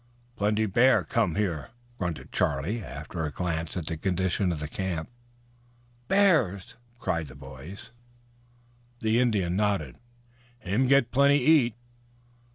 "Plenty bear come here," grunted Charlie after a glance at the condition of the camp. "Bears!" cried the boys. The Indian nodded. "Him get plenty eat."